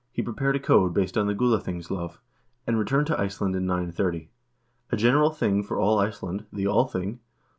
ICELAND 141 pared a code based on the "Gulathingslov," and returned to Iceland in 930. A general thing for all Iceland, the Althing (O.